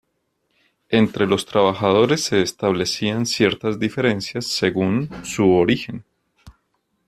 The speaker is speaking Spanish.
Entre los trabajadores se establecían ciertas diferencias según su origen.